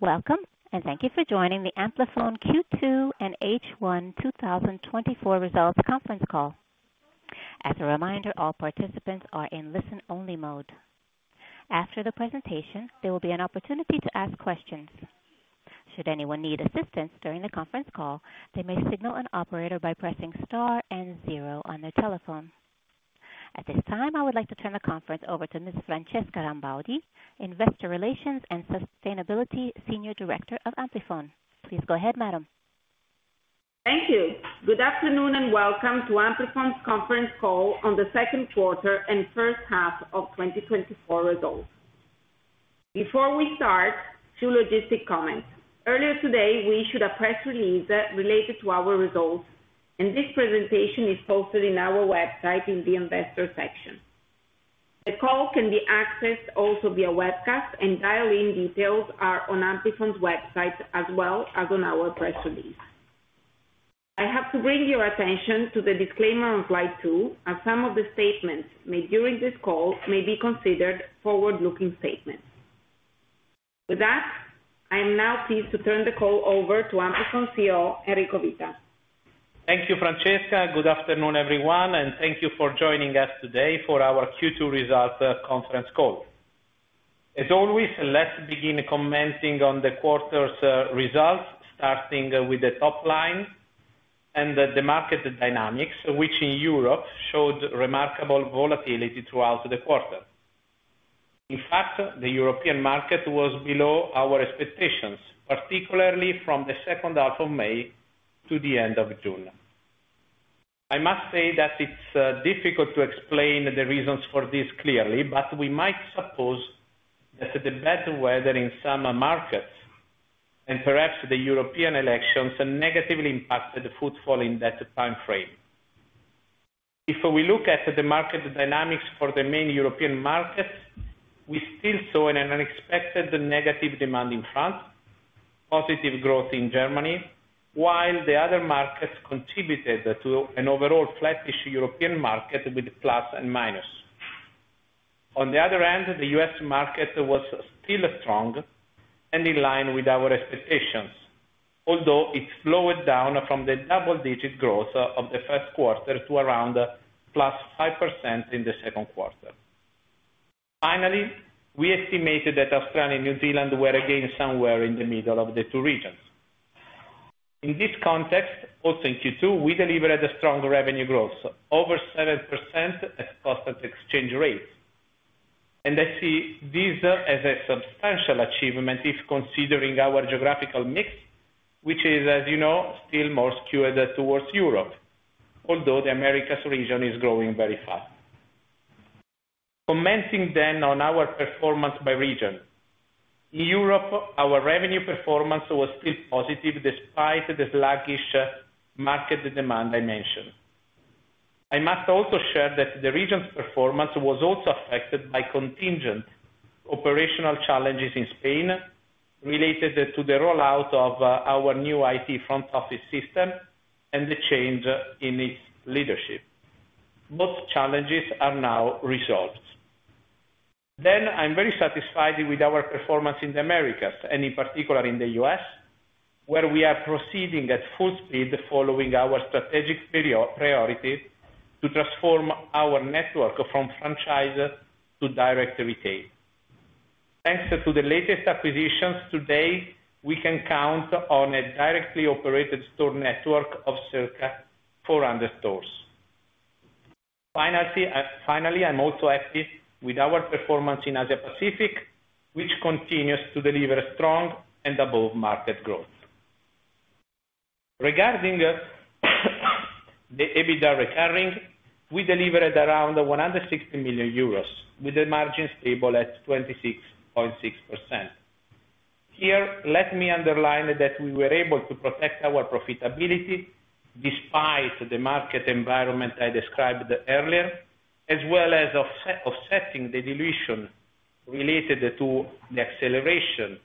Welcome, and thank you for joining the Amplifon Q2 and H1 2024 Results Conference Call. As a reminder, all participants are in listen-only mode. After the presentation, there will be an opportunity to ask questions. Should anyone need assistance during the conference call, they may signal an operator by pressing star and zero on their telephone. At this time, I would like to turn the conference over to Ms. Francesca Rambaudi, Investor Relations and Sustainability Senior Director of Amplifon. Please go ahead, madam. Thank you. Good afternoon and welcome to Amplifon's conference call on the second quarter and first half of 2024 results. Before we start, two logistical comments. Earlier today, we issued a press release related to our results, and this presentation is posted on our website in the investor section. The call can be accessed also via webcast, and dial-in details are on Amplifon's website as well as on our press release. I have to bring your attention to the disclaimer on slide two, as some of the statements made during this call may be considered forward-looking statements. With that, I am now pleased to turn the call over to Amplifon CEO, Enrico Vita. Thank you, Francesca. Good afternoon, everyone, and thank you for joining us today for our Q2 results conference call. As always, let's begin commenting on the quarter's results, starting with the top line and the market dynamics, which in Europe showed remarkable volatility throughout the quarter. In fact, the European market was below our expectations, particularly from the second half of May to the end of June. I must say that it's difficult to explain the reasons for this clearly, but we might suppose that the bad weather in some markets and perhaps the European elections negatively impacted the footfall in that time frame. If we look at the market dynamics for the main European markets, we still saw an unexpected negative demand in France, positive growth in Germany, while the other markets contributed to an overall flattish European market with plus and minus. On the other hand, the U.S. market was still strong and in line with our expectations, although it slowed down from the double-digit growth of the first quarter to around +5% in the second quarter. Finally, we estimated that Australia and New Zealand were again somewhere in the middle of the two regions. In this context, also in Q2, we delivered a strong revenue growth, over 7% at constant exchange rate, and I see this as a substantial achievement if considering our geographical mix, which is, as you know, still more skewed towards Europe, although the Americas region is growing very fast. Commenting then on our performance by region, in Europe, our revenue performance was still positive despite the sluggish market demand I mentioned. I must also share that the region's performance was also affected by contingent operational challenges in Spain related to the rollout of our new IT front office system and the change in its leadership. Both challenges are now resolved. Then, I'm very satisfied with our performance in the Americas, and in particular in the U.S., where we are proceeding at full speed following our strategic priority to transform our network from franchise to direct retail. Thanks to the latest acquisitions today, we can count on a directly operated store network of circa 400 stores. Finally, I'm also happy with our performance in Asia Pacific, which continues to deliver strong and above-market growth. Regarding the EBITDA recurring, we delivered around 160 million euros with a margin stable at 26.6%. Here, let me underline that we were able to protect our profitability despite the market environment I described earlier, as well as offsetting the dilution related to the acceleration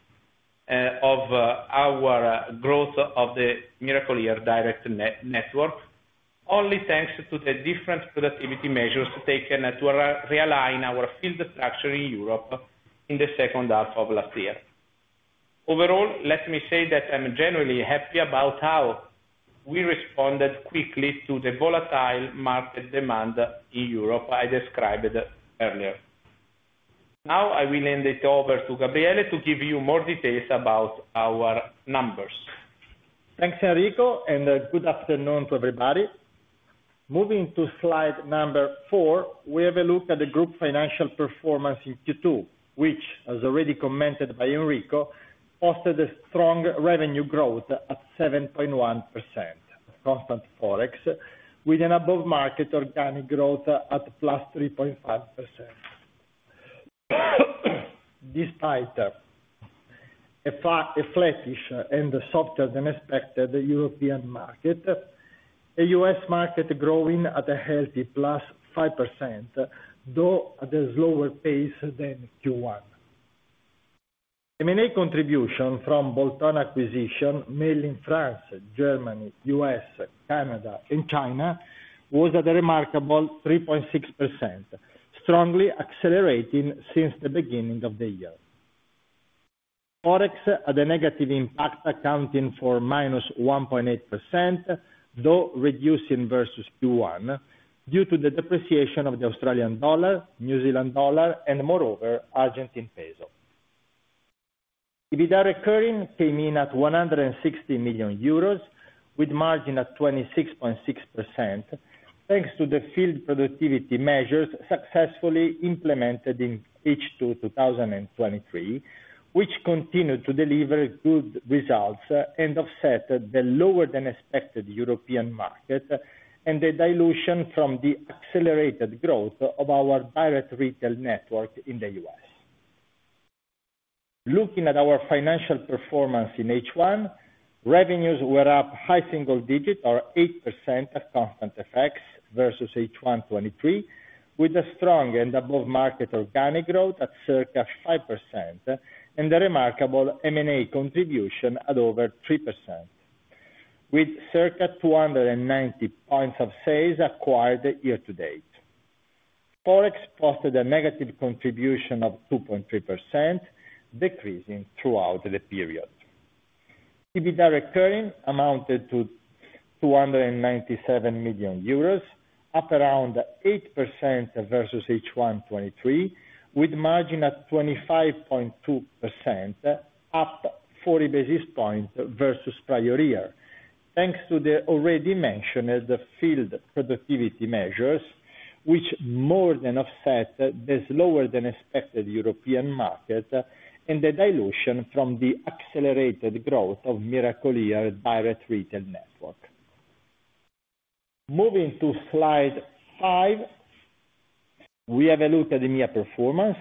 of our growth of the Miracle-Ear direct network, only thanks to the different productivity measures taken to realign our field structure in Europe in the second half of last year. Overall, let me say that I'm genuinely happy about how we responded quickly to the volatile market demand in Europe I described earlier. Now, I will hand it over to Gabriele to give you more details about our numbers. Thanks, Enrico, and good afternoon to everybody. Moving to slide number four, we have a look at the group financial performance in Q2, which, as already commented by Enrico, posted a strong revenue growth at 7.1%. Of constant forex, with an above-market organic growth at +3.5%. Despite a flattish and softer-than-expected European market, the U.S. market growing at a healthy +5%, though at a slower pace than Q1. M&A contribution from bolt-on acquisition, mainly in France, Germany, U.S., Canada, and China, was at a remarkable 3.6%, strongly accelerating since the beginning of the year. Forex had a negative impact, accounting for -1.8%, though reducing versus Q1, due to the depreciation of the Australian dollar, New Zealand dollar, and moreover, Argentine peso. EBITDA recurring came in at 160 million euros, with margin at 26.6%, thanks to the field productivity measures successfully implemented in H2 2023, which continued to deliver good results and offset the lower-than-expected European market and the dilution from the accelerated growth of our direct retail network in the U.S. Looking at our financial performance in H1, revenues were up high single digit or 8% at constant FX versus H1 2023, with a strong and above-market organic growth at circa 5% and a remarkable M&A contribution at over 3%, with circa 290 points of sale acquired year-to-date. Forex posted a negative contribution of 2.3%, decreasing throughout the period. Recurring EBITDA amounted to 297 million euros, up around 8% versus H1 2023, with margin at 25.2%, up 40 basis points versus prior year, thanks to the already mentioned field productivity measures, which more than offset the slower-than-expected European market and the dilution from the accelerated growth of Miracle-Ear direct retail network. Moving to slide five, we have a look at EMEA performance.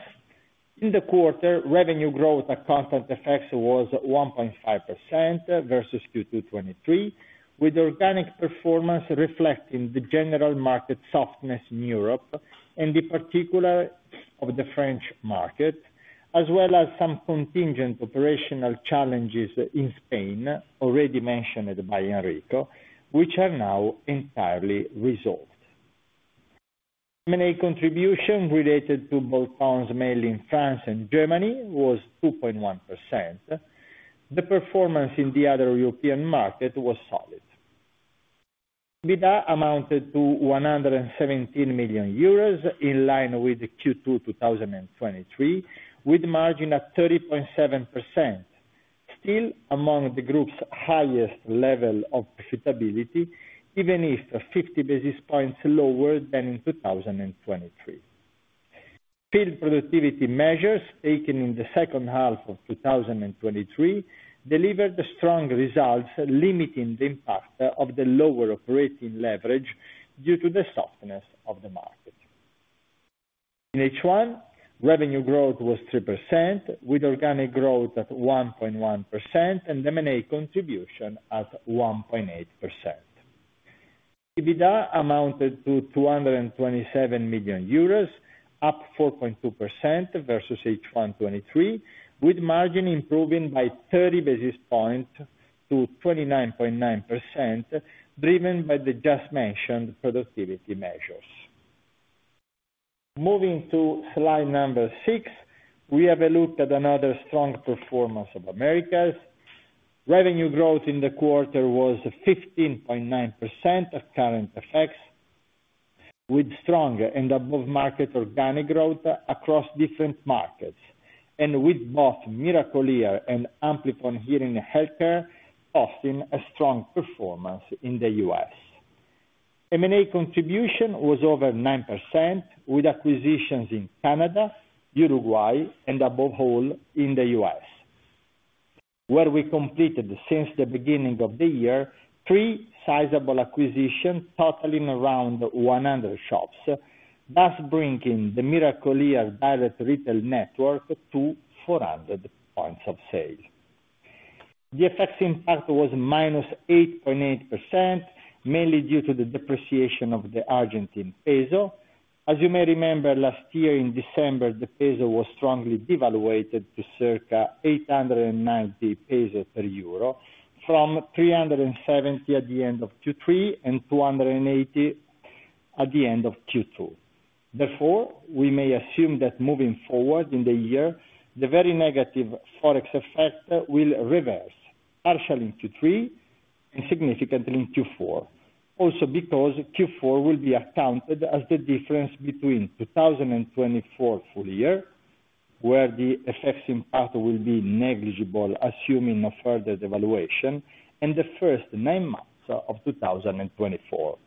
In the quarter, revenue growth at constant FX was 1.5% versus Q2 2023, with organic performance reflecting the general market softness in Europe and in particular of the French market, as well as some contingent operational challenges in Spain, already mentioned by Enrico, which are now entirely resolved. M&A contribution related to bolt-ons mainly in France and Germany was 2.1%. The performance in the other European market was solid. EBITDA amounted to 117 million euros, in line with Q2 2023, with margin at 30.7%, still among the group's highest level of profitability, even if 50 basis points lower than in 2023. Field productivity measures taken in the second half of 2023 delivered strong results, limiting the impact of the lower operating leverage due to the softness of the market. In H1, revenue growth was 3%, with organic growth at 1.1% and M&A contribution at 1.8%. EBITDA amounted to 227 million euros, up 4.2% versus H1 2023, with margin improving by 30 basis points to 29.9%, driven by the just-mentioned productivity measures. Moving to slide number six, we have a look at another strong performance of Americas. Revenue growth in the quarter was 15.9% at current FX, with strong and above-market organic growth across different markets, and with both Miracle-Ear and Amplifon Hearing Healthcare posting a strong performance in the U.S. M&A contribution was over 9%, with acquisitions in Canada, Uruguay, and above all in the U.S., where we completed since the beginning of the year three sizable acquisitions, totaling around 100 shops, thus bringing the Miracle-Ear direct retail network to 400 points of sale. The FX impact was -8.8%, mainly due to the depreciation of the Argentine peso. As you may remember, last year in December, the peso was strongly devalued to circa 890 pesos per euro, from 370 at the end of Q3 and 280 at the end of Q2. Therefore, we may assume that moving forward in the year, the very negative forex FX will reverse, partially in Q3 and significantly in Q4, also because Q4 will be accounted as the difference between 2024 full year, where the FX impact will be negligible, assuming no further devaluation, and the first nine months of 2024.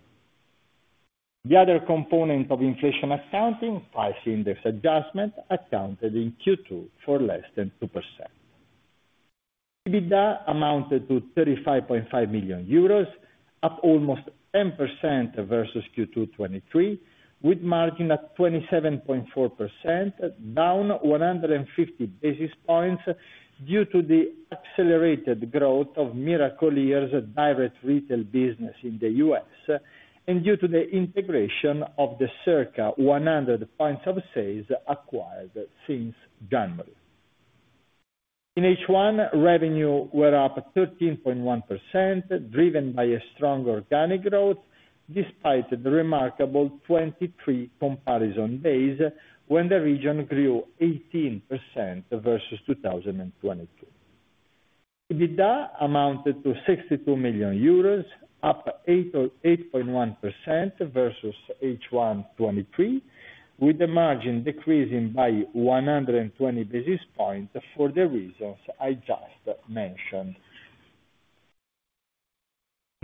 The other component of inflation accounting, price index adjustment, accounted in Q2 for less than 2%. EBITDA amounted to 35.5 million euros, up almost 10% versus Q2 2023, with margin at 27.4%, down 150 basis points due to the accelerated growth of Miracle-Ear's direct retail business in the U.S. and due to the integration of the circa 100 points of sales acquired since January. In H1, revenue were up 13.1%, driven by a strong organic growth, despite the remarkable 2023 comparison base when the region grew 18% versus 2022. EBITDA amounted to 62 million euros, up 8.1% versus H1 2023, with the margin decreasing by 120 basis points for the reasons I just mentioned.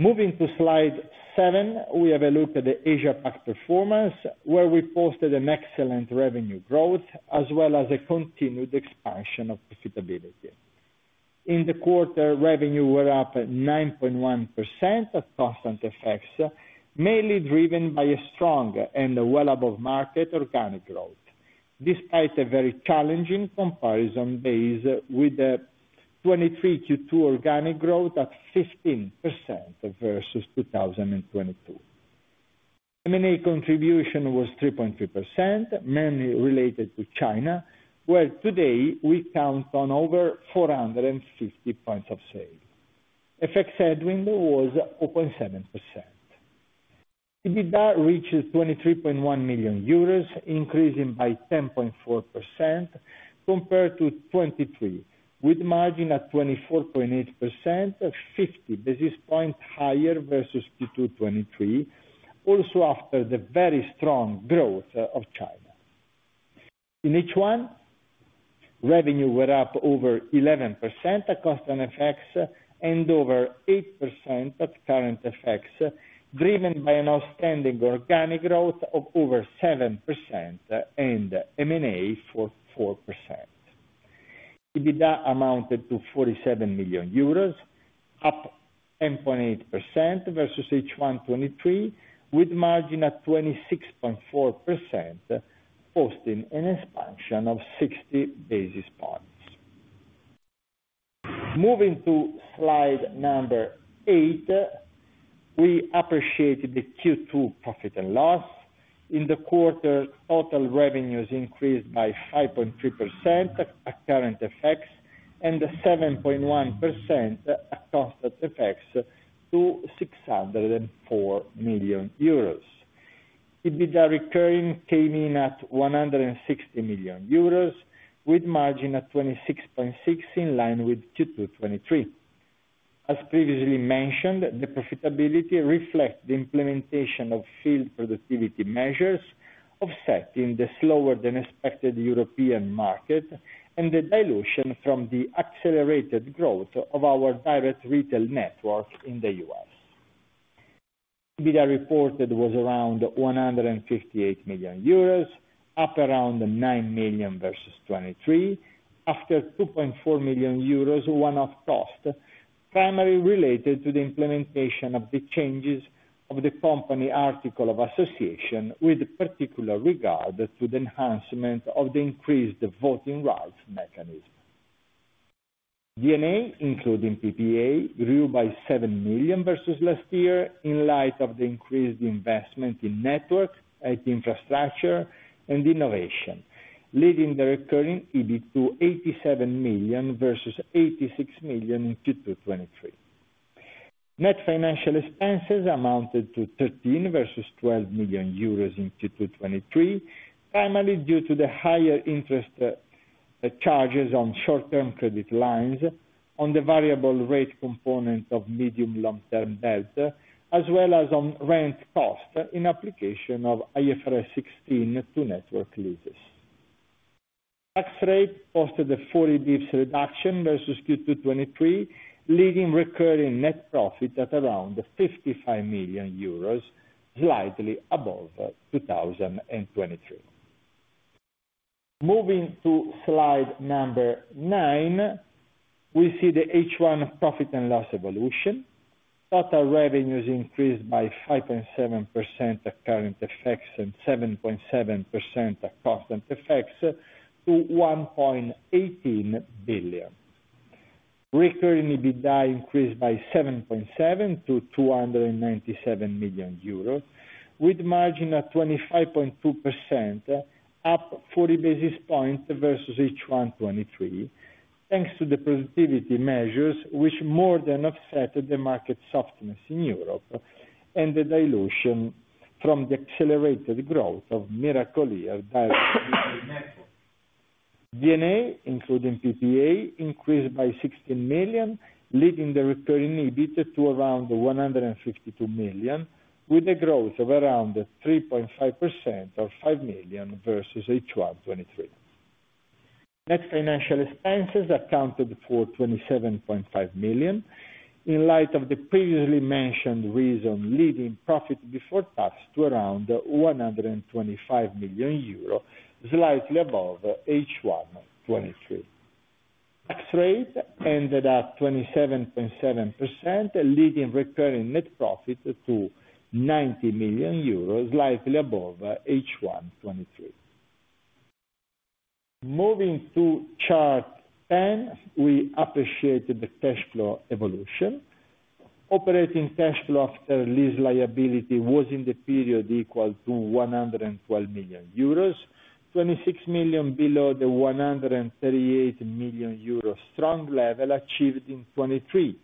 Moving to slide seven, we have a look at the Asia PAC performance, where we posted an excellent revenue growth, as well as a continued expansion of profitability. In the quarter, revenue were up 9.1% at constant FX, mainly driven by a strong and well-above-market organic growth, despite a very challenging comparison base with a 2023 Q2 organic growth at 15% versus 2022. M&A contribution was 3.3%, mainly related to China, where today we count on over 450 points of sale. FX headwind was 0.7%. EBITDA reached 23.1 million euros, increasing by 10.4% compared to 2023, with margin at 24.8%, 50 basis points higher versus Q2 2023, also after the very strong growth of China. In H1, revenue were up over 11% at constant FX and over 8% at current FX, driven by an outstanding organic growth of over 7% and M&A for 4%. EBITDA amounted to 47 million euros, up 10.8% versus H1 2023, with margin at 26.4%, posting an expansion of 60 basis points. Moving to slide number eight, we appreciated the Q2 profit and loss. In the quarter, total revenues increased by 5.3% at current FX and 7.1% at constant FX to 604 million euros. EBITDA recurring came in at 160 million euros, with margin at 26.6%, in line with Q2 2023. As previously mentioned, the profitability reflects the implementation of field productivity measures, offsetting the slower-than-expected European market and the dilution from the accelerated growth of our direct retail network in the U.S. EBITDA reported was around 158 million euros, up around 9 million versus 2023, after 2.4 million euros one-off cost, primarily related to the implementation of the changes of the company Articles of Association, with particular regard to the enhancement of the increased voting rights mechanism. D&A, including PPA, grew by 7 million versus last year, in light of the increased investment in network, IT infrastructure, and innovation, leading the recurring EBIT to 87 million versus 86 million in Q2 2023. Net financial expenses amounted to 13 million versus 12 million euros in Q2 2023, primarily due to the higher interest charges on short-term credit lines, on the variable rate component of medium-long-term debt, as well as on rent cost in application of IFRS 16 to network leases. Tax rate posted a 40 basis points reduction versus Q2 2023, leading recurring net profit at around 55 million euros, slightly above 2023. Moving to slide number nine, we see the H1 profit and loss evolution. Total revenues increased by 5.7% at current FX and 7.7% at constant FX to 1.18 billion. Recurring EBITDA increased by 7.7% to 297 million euros, with margin at 25.2%, up 40 basis points versus H1 2023, thanks to the productivity measures, which more than offset the market softness in Europe and the dilution from the accelerated growth of Miracle-Ear direct retail network. D&A, including PPA, increased by 16 million, leading recurring EBIT to around 152 million, with a growth of around 3.5% or 5 million versus H1 2023. Net financial expenses accounted for 27.5 million, in light of the previously mentioned reason, leading profit before tax to around 125 million euro, slightly above H1 2023. Tax rate ended at 27.7%, leading recurring net profit to 90 million euros, slightly above H1 2023. Moving to chart 10, we appreciated the cash flow evolution. Operating cash flow after lease liability was in the period equal to 112 million euros, 26 million below the 138 million euros strong level achieved in 2023,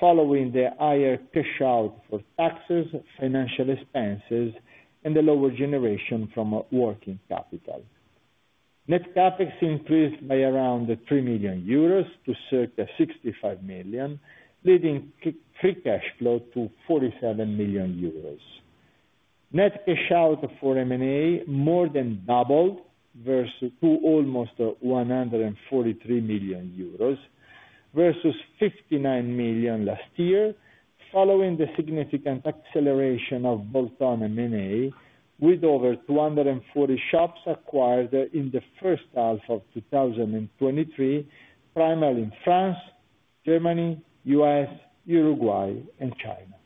following the higher cash out for taxes, financial expenses, and the lower generation from working capital. Net CapEx increased by around 3 million euros to circa 65 million, leading free cash flow to 47 million euros. Net cash out for M&A more than doubled versus to almost 143 million euros versus 59 million last year, following the significant acceleration of bolt-on M&A, with over 240 shops acquired in the first half of 2023, primarily in France, Germany, U.S., Uruguay, and China.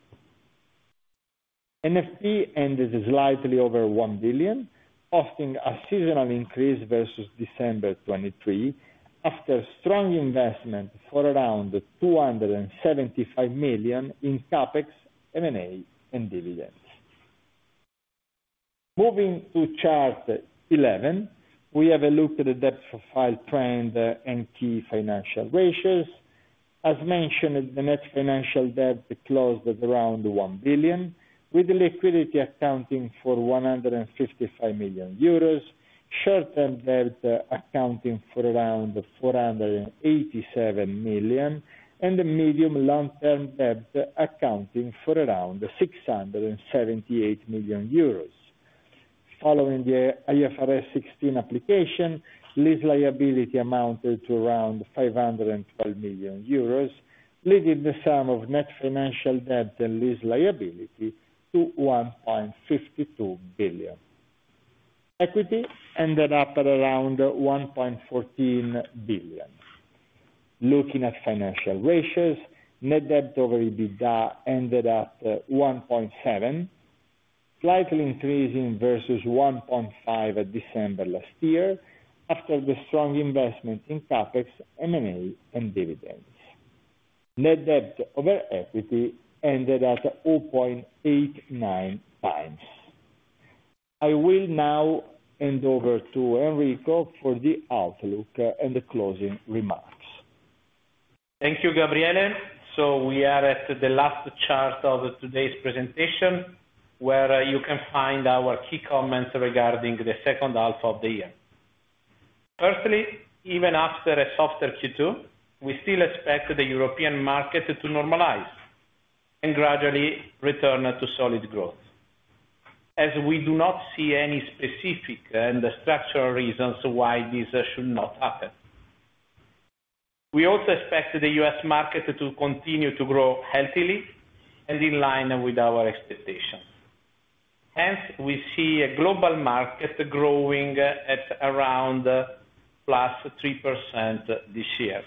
NFP ended slightly over 1 billion, posting a seasonal increase versus December 2023, after strong investment for around 275 million in CapEx, M&A, and dividends. Moving to chart 11, we have a look at the debt profile trend and key financial ratios. As mentioned, the net financial debt closed at around 1 billion, with the liquidity accounting for 155 million euros, short-term debt accounting for around 487 million, and the medium-long-term debt accounting for around 678 million euros. Following the IFRS 16 application, lease liability amounted to around 512 million euros, leading the sum of net financial debt and lease liability to 1.52 billion. Equity ended up at around 1.14 billion. Looking at financial ratios, net debt over EBITDA ended at 1.7 billion, slightly increasing versus 1.5% at December last year, after the strong investment in CapEx, M&A, and dividends. Net debt over equity ended at 0.89x. I will now hand over to Enrico for the outlook and the closing remarks. Thank you, Gabriele. So we are at the last chart of today's presentation, where you can find our key comments regarding the second half of the year. Firstly, even after a softer Q2, we still expect the European market to normalize and gradually return to solid growth, as we do not see any specific and structural reasons why this should not happen. We also expect the U.S. market to continue to grow healthily and in line with our expectations. Hence, we see a global market growing at around +3% this year.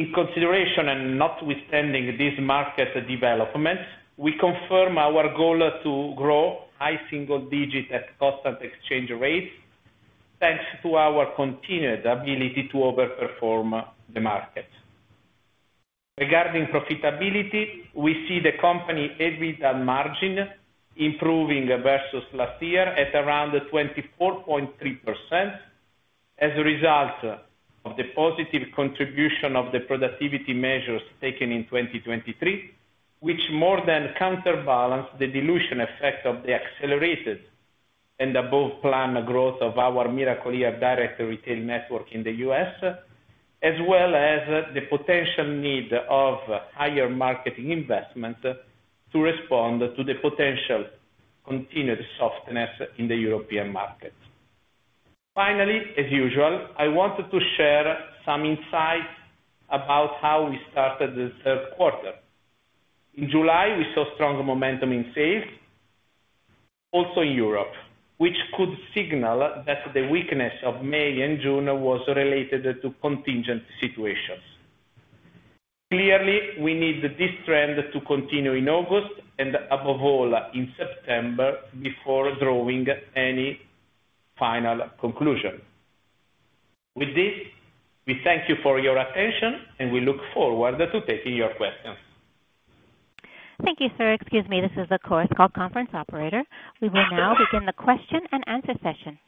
In consideration and notwithstanding these market developments, we confirm our goal to grow high single-digit at constant exchange rates, thanks to our continued ability to overperform the market. Regarding profitability, we see the company EBITDA margin improving versus last year at around 24.3%, as a result of the positive contribution of the productivity measures taken in 2023, which more than counterbalanced the dilution effect of the accelerated and above-plan growth of our Miracle-Ear direct retail network in the U.S., as well as the potential need of higher marketing investment to respond to the potential continued softness in the European market. Finally, as usual, I wanted to share some insights about how we started the third quarter. In July, we saw strong momentum in sales, also in Europe, which could signal that the weakness of May and June was related to contingent situations. Clearly, we need this trend to continue in August and, above all, in September before drawing any final conclusion. With this, we thank you for your attention, and we look forward to taking your questions. Thank you, sir. Excuse me, this is the Chorus Call conference operator. We will now begin the question and answer session.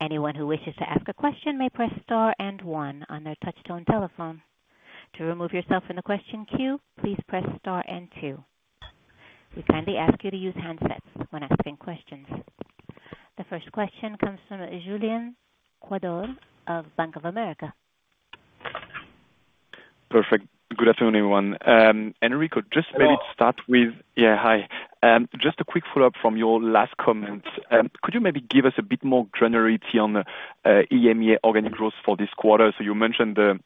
Anyone who wishes to ask a question may press star and one on their touch-tone telephone. To remove yourself from the question queue, please press star and two. We kindly ask you to use handsets when asking questions. The first question comes from Julien Ouaddour of Bank of America. Perfect. Good afternoon, everyone. Enrico, just maybe to start with. Yeah, hi. Just a quick follow-up from your last comment. Could you maybe give us a bit more granularity on EMEA organic growth for this quarter? So you mentioned the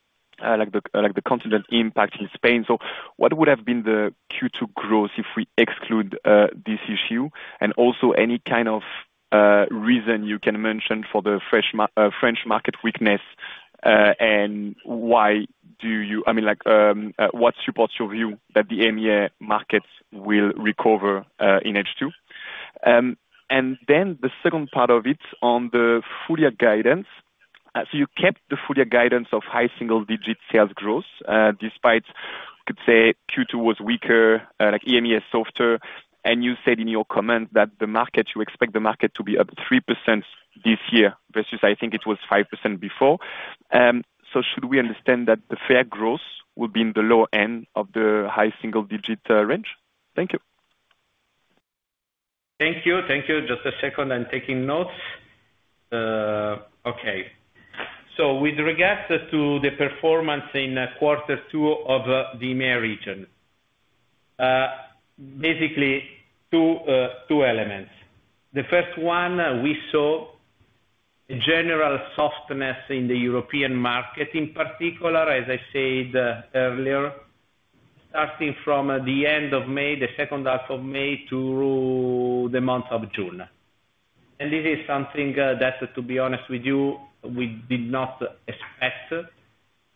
contingent impact in Spain. So what would have been the Q2 growth if we exclude this issue? And also any kind of reason you can mention for the French market weakness, and why do you—I mean, what supports your view that the EMEA markets will recover in H2? And then the second part of it on the full year guidance. So you kept the full year guidance of high single-digit sales growth despite, you could say, Q2 was weaker, EMEA softer, and you said in your comment that the market—you expect the market to be up 3% this year versus I think it was 5% before. So should we understand that the full year growth will be in the low end of the high single-digit range? Thank you. Thank you. Thank you. Just a second, I'm taking notes. Okay. So with regards to the performance in quarter two of the EMEA region, basically two elements. The first one, we saw a general softness in the European market, in particular, as I said earlier, starting from the end of May, the second half of May, to the month of June. And this is something that, to be honest with you, we did not expect.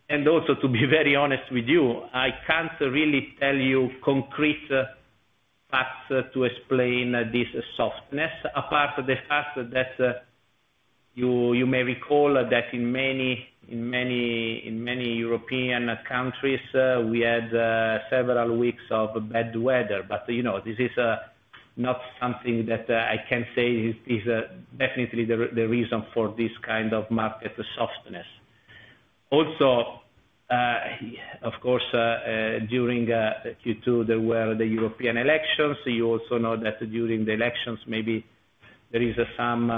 And also, to be very honest with you, I can't really tell you concrete facts to explain this softness, apart from the fact that you may recall that in many European countries, we had several weeks of bad weather. But this is not something that I can say is definitely the reason for this kind of market softness. Also, of course, during Q2, there were the European elections. You also know that during the elections, maybe there is some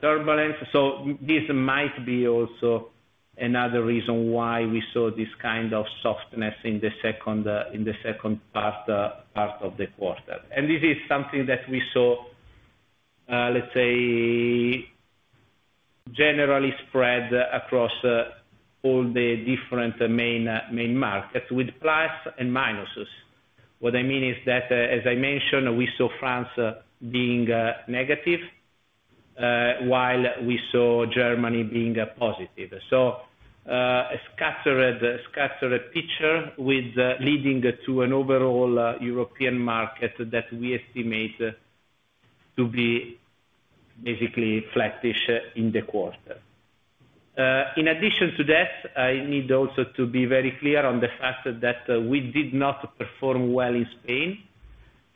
turbulence. So this might be also another reason why we saw this kind of softness in the second part of the quarter. This is something that we saw, let's say, generally spread across all the different main markets, with plus and minuses. What I mean is that, as I mentioned, we saw France being negative, while we saw Germany being positive. So a scattered picture leading to an overall European market that we estimate to be basically flattish in the quarter. In addition to that, I need also to be very clear on the fact that we did not perform well in Spain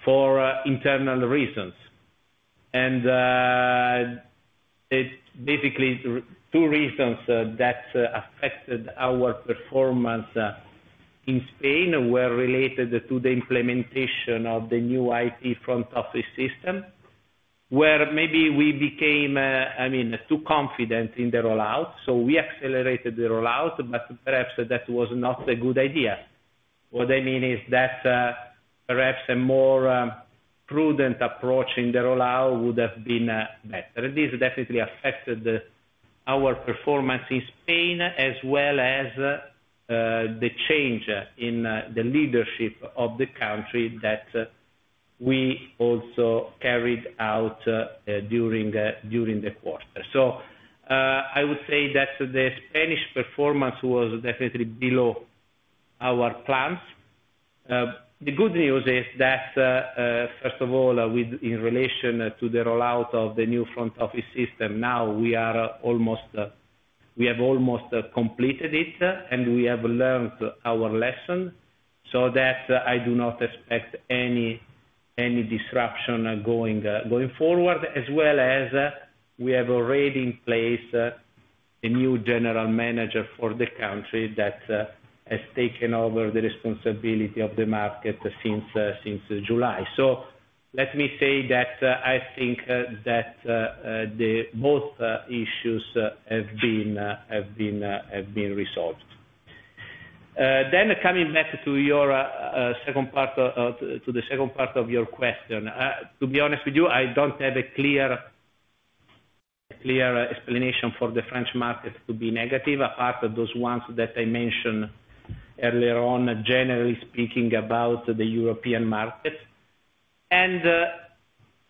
for internal reasons. And basically, two reasons that affected our performance in Spain were related to the implementation of the new IT front office system, where maybe we became, I mean, too confident in the rollout. So we accelerated the rollout, but perhaps that was not a good idea. What I mean is that perhaps a more prudent approach in the rollout would have been better. This definitely affected our performance in Spain, as well as the change in the leadership of the country that we also carried out during the quarter. I would say that the Spanish performance was definitely below our plans. The good news is that, first of all, in relation to the rollout of the new front office system, now we have almost completed it, and we have learned our lesson. So that I do not expect any disruption going forward, as well as we have already in place a new general manager for the country that has taken over the responsibility of the market since July. Let me say that I think that both issues have been resolved. Then coming back to the second part of your question, to be honest with you, I don't have a clear explanation for the French market to be negative, apart from those ones that I mentioned earlier on, generally speaking, about the European market.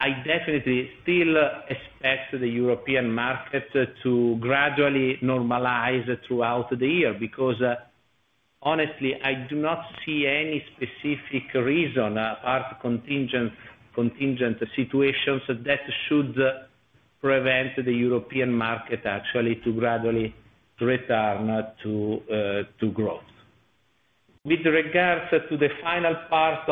I definitely still expect the European market to gradually normalize throughout the year because, honestly, I do not see any specific reason, apart from contingent situations, that should prevent the European market actually to gradually return to growth. With regards to the final part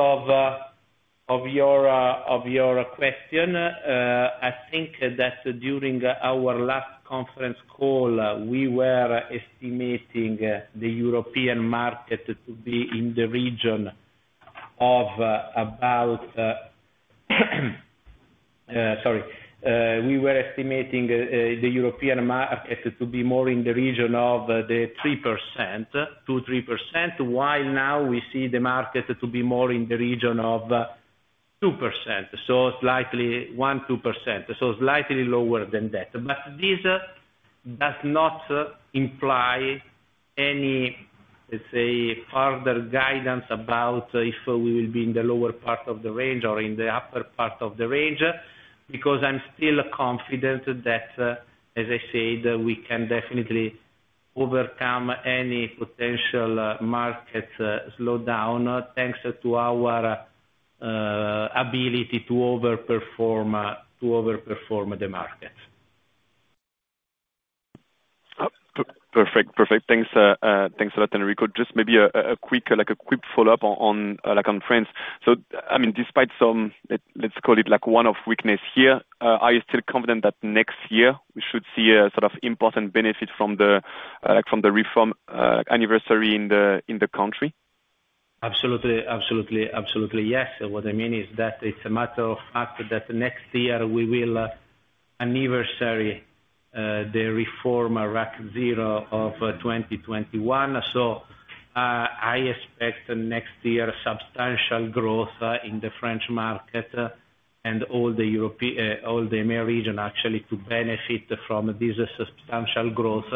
of your question, I think that during our last conference call, we were estimating the European market to be in the region of about - sorry. We were estimating the European market to be more in the region of the 2%-3%, while now we see the market to be more in the region of 2%, so slightly 1%-2%, so slightly lower than that. But this does not imply any, let's say, further guidance about if we will be in the lower part of the range or in the upper part of the range because I'm still confident that, as I said, we can definitely overcome any potential market slowdown thanks to our ability to overperform the market. Perfect. Perfect. Thanks a lot, Enrico. Just maybe a quick follow-up on France. So, I mean, despite some, let's call it, one-off weakness here, are you still confident that next year we should see a sort of important benefit from the reform anniversary in the country? Absolutely. Absolutely. Absolutely. Yes. What I mean is that it's a matter of fact that next year we will anniversary the reform RAC zero of 2021. So I expect next year substantial growth in the French market and all the EMEA region actually to benefit from this substantial growth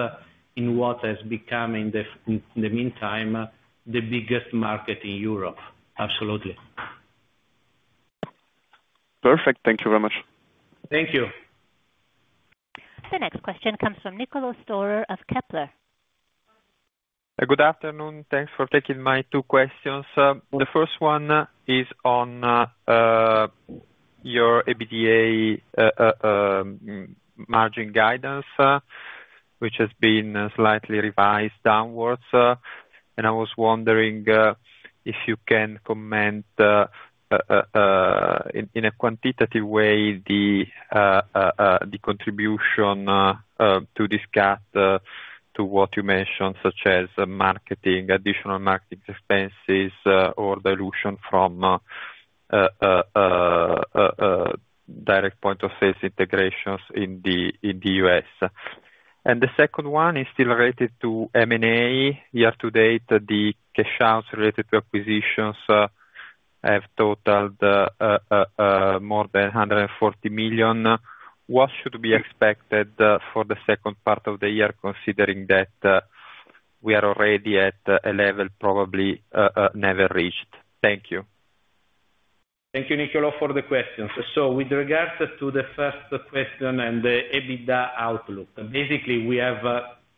in what has become, in the meantime, the biggest market in Europe. Absolutely. Perfect. Thank you very much. Thank you. The next question comes from Niccolò Storer of Kepler. Good afternoon. Thanks for taking my two questions. The first one is on your EBITDA margin guidance, which has been slightly revised downwards. And I was wondering if you can comment in a quantitative way the contribution to this gap to what you mentioned, such as marketing, additional marketing expenses, or dilution from direct point of sales integrations in the U.S. And the second one is still related to M&A. Year-to-date, the cash outs related to acquisitions have totaled more than 140 million. What should be expected for the second part of the year, considering that we are already at a level probably never reached? Thank you. Thank you, Niccolò, for the questions. So with regards to the first question and the EBITDA outlook, basically, we have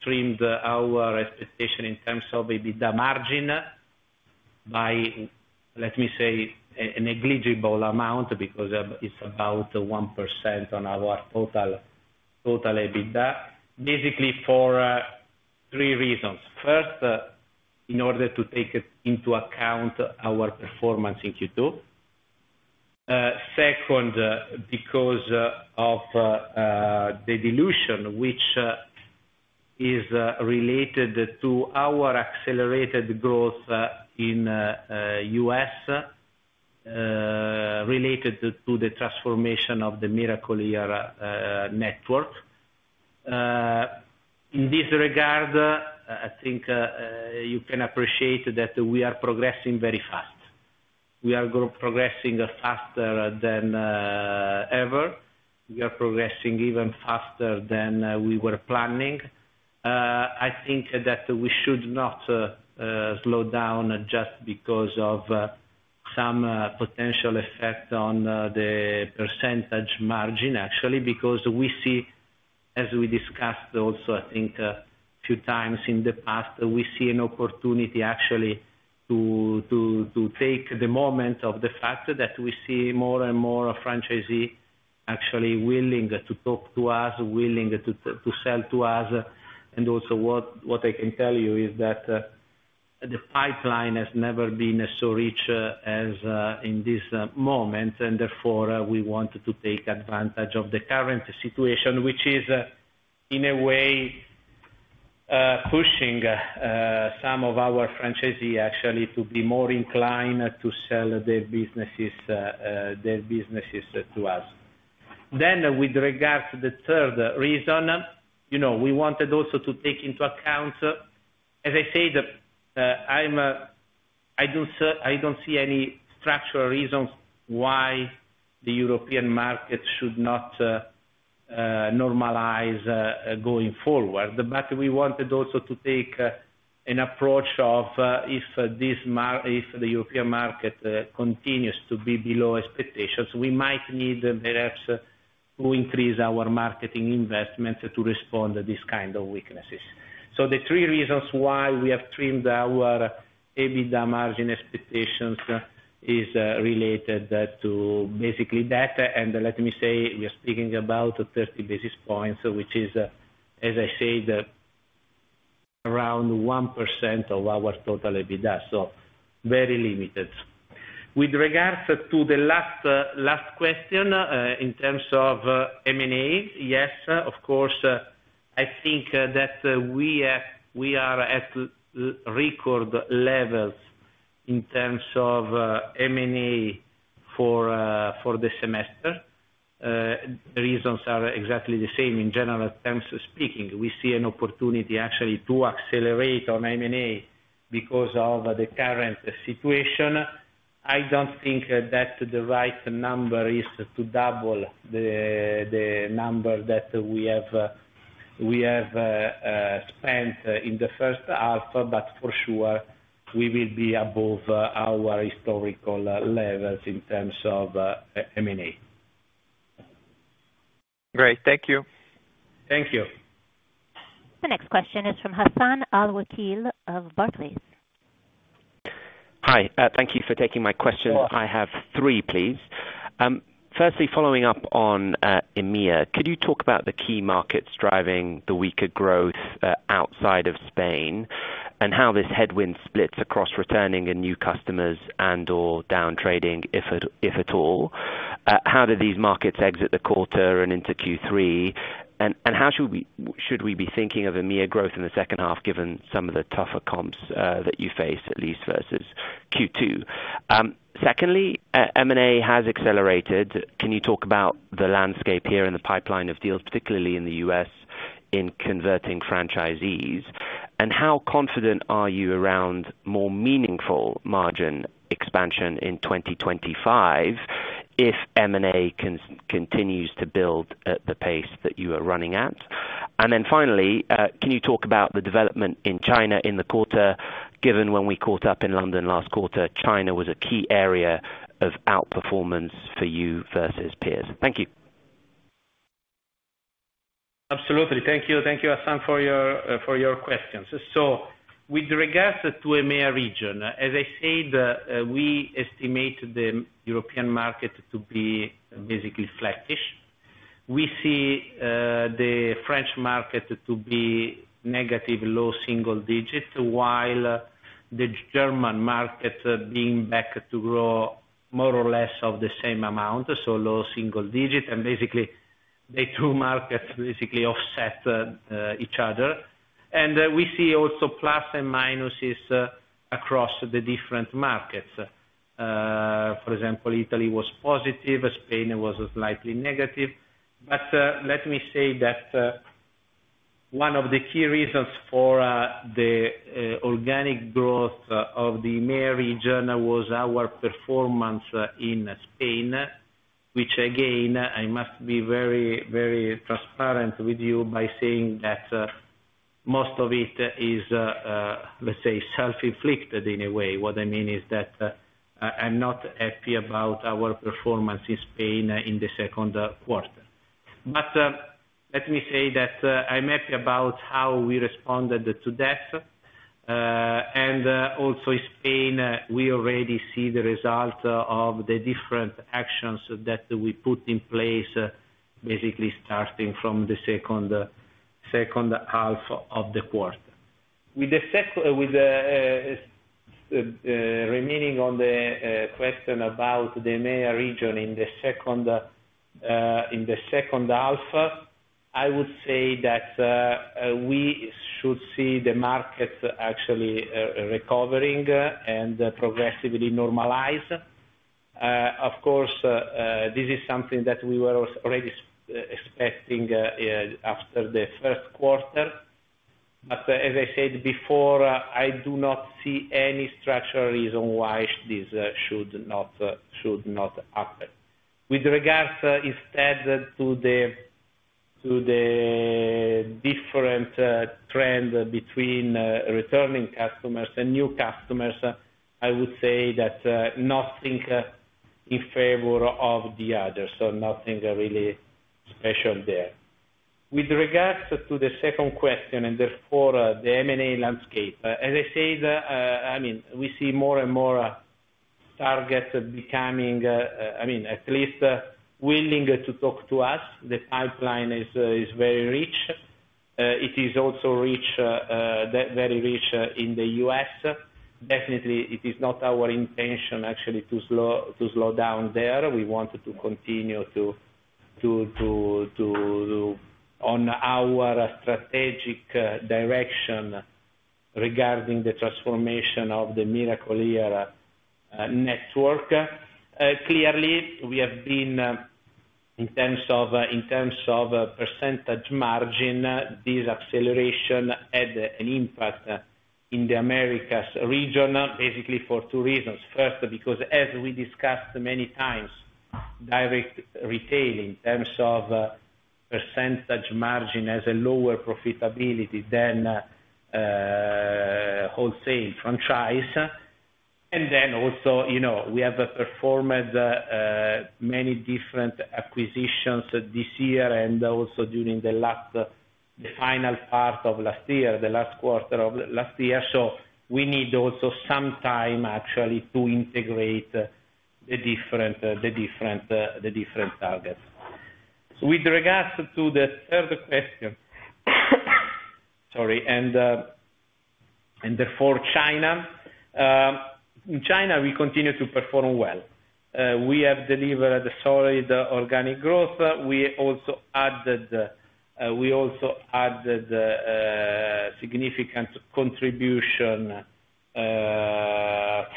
trimmed our expectation in terms of EBITDA margin by, let me say, a negligible amount because it's about 1% on our total EBITDA, basically for three reasons. First, in order to take into account our performance in Q2. Second, because of the dilution, which is related to our accelerated growth in the U.S. related to the transformation of the Miracle-Ear network. In this regard, I think you can appreciate that we are progressing very fast. We are progressing faster than ever. We are progressing even faster than we were planning. I think that we should not slow down just because of some potential effect on the percentage margin, actually, because we see, as we discussed also, I think, a few times in the past, we see an opportunity actually to take the moment of the fact that we see more and more franchisees actually willing to talk to us, willing to sell to us. And also, what I can tell you is that the pipeline has never been so rich as in this moment, and therefore, we want to take advantage of the current situation, which is, in a way, pushing some of our franchisees actually to be more inclined to sell their businesses to us. Then, with regards to the third reason, we wanted also to take into account, as I said, I don't see any structural reasons why the European market should not normalize going forward. But we wanted also to take an approach of if the European market continues to be below expectations, we might need perhaps to increase our marketing investments to respond to this kind of weaknesses. So the three reasons why we have trimmed our EBITDA margin expectations is related to basically that. And let me say we are speaking about 30 basis points, which is, as I said, around 1% of our total EBITDA. So very limited. With regards to the last question in terms of M&A, yes, of course, I think that we are at record levels in terms of M&A for the semester. The reasons are exactly the same in general terms speaking. We see an opportunity actually to accelerate on M&A because of the current situation. I don't think that the right number is to double the number that we have spent in the first half, but for sure, we will be above our historical levels in terms of M&A. Great. Thank you. Thank you. The next question is from Hassan Al-Wakeel of Barclays. Hi. Thank you for taking my questions. I have three, please. Firstly, following up on EMEA, could you talk about the key markets driving the weaker growth outside of Spain and how this headwind splits across returning and new customers and/or downtrading, if at all? How do these markets exit the quarter and into Q3? And how should we be thinking of EMEA growth in the second half, given some of the tougher comps that you face, at least versus Q2? Secondly, M&A has accelerated. Can you talk about the landscape here and the pipeline of deals, particularly in the U.S., in converting franchisees? And how confident are you around more meaningful margin expansion in 2025 if M&A continues to build at the pace that you are running at? And then finally, can you talk about the development in China in the quarter, given when we caught up in London last quarter, China was a key area of outperformance for you versus peers? Thank you. Absolutely. Thank you. Thank you, Hassan, for your questions. So with regards to EMEA region, as I said, we estimate the European market to be basically flattish. We see the French market to be negative, low single digit, while the German market being back to grow more or less of the same amount, so low single digit. And basically, the two markets basically offset each other. We see also plus and minuses across the different markets. For example, Italy was positive. Spain was slightly negative. But let me say that one of the key reasons for the organic growth of the EMEA region was our performance in Spain, which, again, I must be very, very transparent with you by saying that most of it is, let's say, self-inflicted in a way. What I mean is that I'm not happy about our performance in Spain in the second quarter. But let me say that I'm happy about how we responded to that. And also, in Spain, we already see the result of the different actions that we put in place, basically starting from the second half of the quarter. With remaining on the question about the EMEA region in the second half, I would say that we should see the market actually recovering and progressively normalize. Of course, this is something that we were already expecting after the first quarter. But as I said before, I do not see any structural reason why this should not happen. With regards instead to the different trend between returning customers and new customers, I would say that nothing in favor of the other. So nothing really special there. With regards to the second question and therefore the M&A landscape, as I said, I mean, we see more and more targets becoming, I mean, at least willing to talk to us. The pipeline is very rich. It is also very rich in the U.S. Definitely, it is not our intention actually to slow down there. We wanted to continue on our strategic direction regarding the transformation of the Miracle-Ear network. Clearly, we have been, in terms of percentage margin, this acceleration had an impact in the Americas region, basically for two reasons. First, because, as we discussed many times, direct retail in terms of percentage margin has a lower profitability than wholesale franchise. And then also, we have performed many different acquisitions this year and also during the final part of last year, the last quarter of last year. So we need also some time, actually, to integrate the different targets. With regards to the third question, sorry, and therefore China, in China, we continue to perform well. We have delivered solid organic growth. We also added significant contribution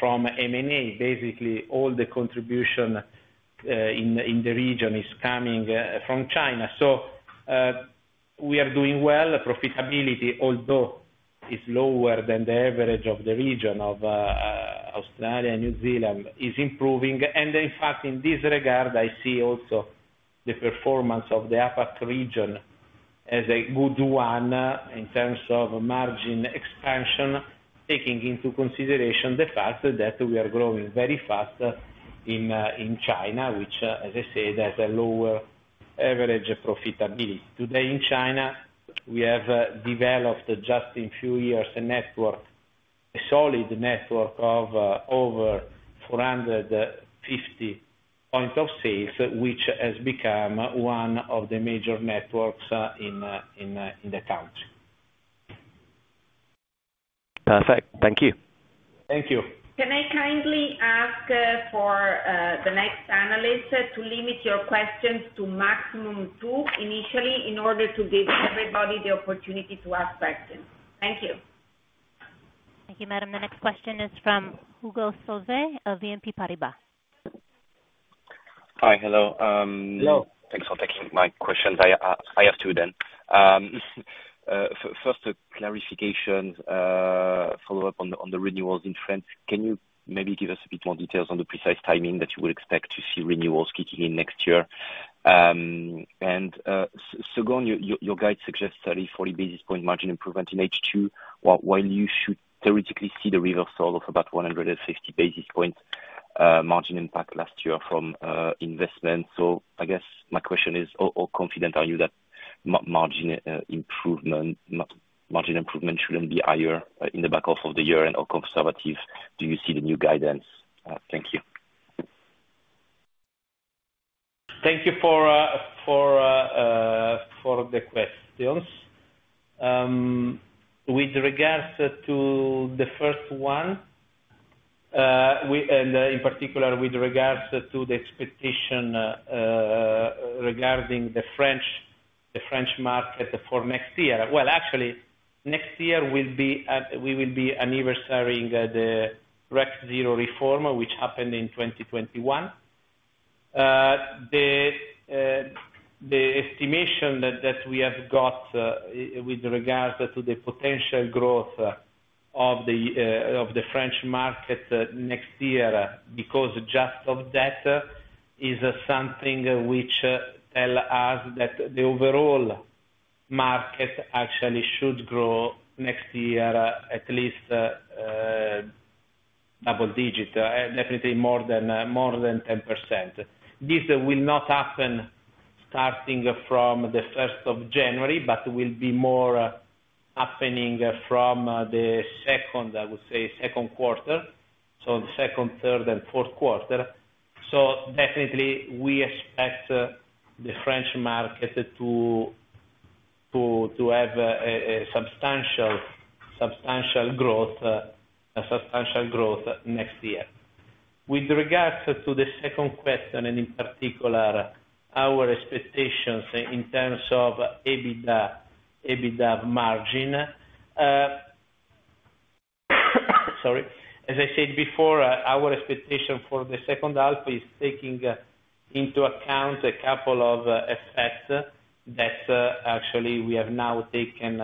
from M&A. Basically, all the contribution in the region is coming from China. So we are doing well. Profitability, although it's lower than the average of the region of Australia and New Zealand, is improving. In fact, in this regard, I see also the performance of the APAC region as a good one in terms of margin expansion, taking into consideration the fact that we are growing very fast in China, which, as I said, has a lower average profitability. Today, in China, we have developed just in a few years a network, a solid network of over 450 points of sale, which has become one of the major networks in the country. Perfect. Thank you. Thank you. Can I kindly ask for the next analyst to limit your questions to maximum two initially in order to give everybody the opportunity to ask questions? Thank you. Thank you, Madam. The next question is from Hugo Solvet of BNP Paribas. Hi. Hello. Hello. Thanks for taking my questions. I have two then. First, clarifications, follow-up on the renewals in France. Can you maybe give us a bit more details on the precise timing that you would expect to see renewals kicking in next year? And second, your guide suggests a 40 basis point margin improvement in H2, while you should theoretically see the reversal of about 150 basis points margin impact last year from investment. So I guess my question is, how confident are you that margin improvement shouldn't be higher in the back half of the year? And how conservative do you see the new guidance? Thank you. Thank you for the questions. With regards to the first one, and in particular, with regards to the expectation regarding the French market for next year. Well, actually, next year, we will be anniversaring the RAC zero reform, which happened in 2021. The estimation that we have got with regards to the potential growth of the French market next year, because just of that, is something which tells us that the overall market actually should grow next year at least double-digit, definitely more than 10%. This will not happen starting from the first of January, but will be more happening from the second, I would say, second quarter. So the second, third, and fourth quarter. So definitely, we expect the French market to have substantial growth next year. With regards to the second question, and in particular, our expectations in terms of EBITDA margin, sorry. As I said before, our expectation for the second half is taking into account a couple of effects that actually we have now taken